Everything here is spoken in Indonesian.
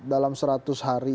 dalam seratus hari